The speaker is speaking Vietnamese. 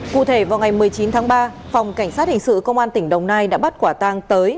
cụ thể vào ngày một mươi chín tháng ba phòng cảnh sát hình sự công an tỉnh đồng nai đã bắt quả tang tới